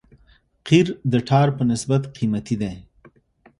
قیر د ټار په نسبت قیمتي دی